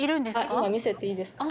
今見せていいですか？